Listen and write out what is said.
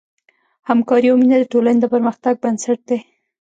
همکاري او مینه د ټولنې د پرمختګ بنسټ دی.